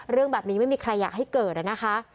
เรื่องแบบนี้ไม่มีใครอยากให้เกิดนะคะ